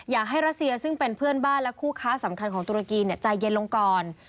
รัสเซียซึ่งเป็นเพื่อนบ้านและคู่ค้าสำคัญของตุรกีใจเย็นลงก่อน